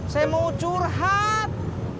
saya mau curhat